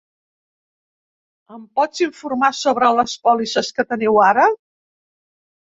Em pots informar sobre les pòlisses que teniu ara?